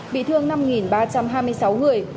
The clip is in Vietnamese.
bị thương năm ba trăm hai mươi sáu người